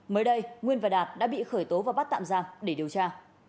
mới đây nguyên và đạt đã bị khởi tố và bắt tạm giam để điều tra